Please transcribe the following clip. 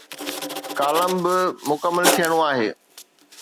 Column به مڪمل ٿيڻو آهي.